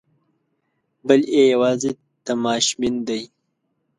بل یې یوازې تماشبین دی.